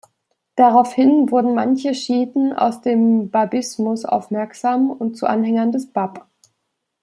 Daraufhin wurden manche Schiiten auf dem Babismus aufmerksam und zu Anhängern des Bab.